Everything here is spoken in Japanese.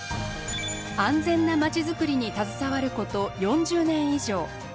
安全な街づくりに携わること４０年以上。